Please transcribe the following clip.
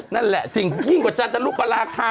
นั่นแหละสิ่งยิ่งกว่าจันทรุปราคา